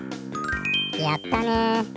やったね。